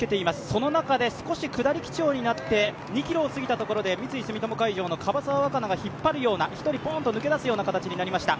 その中で少し下り基調になって、２ｋｍを過ぎたところで三井住友海上の樺沢和佳奈が引っ張るような１人ぽーんと抜け出すような形になりました。